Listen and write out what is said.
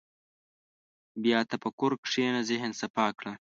په تفکر کښېنه، ذهن صفا کړه.